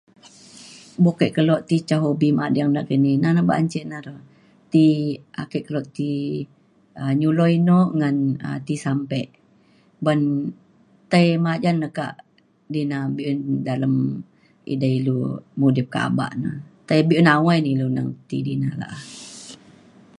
buk ke kelo ti ca hobi mading nakini ina na ba’an ce re ti ake kelo ti um nyulo eno ngan um ti sampe. ban tai majan le kak dina be’un dalem edei ilu mudip kaba na. tai be’un nawai na ilu neng ti di na la’a.